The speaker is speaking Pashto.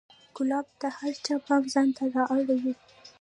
ګلاب د هر چا پام ځان ته را اړوي.